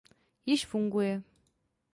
Již funguje.